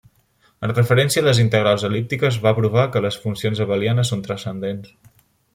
En referència a les integrals el·líptiques, va provar que les funcions abelianes són transcendents.